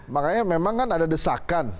makanya memang kan ada desakan